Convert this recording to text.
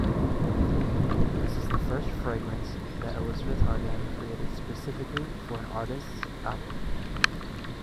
This is the first fragrance that Elizabeth Arden created specifically for an artist's album.